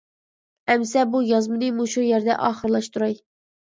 ئەمىسە بۇ يازمىنى مۇشۇ يەردە ئاخىرلاشتۇراي.